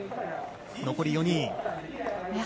残り４人。